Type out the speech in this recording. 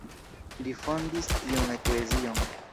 Li fondis tiun eklezion.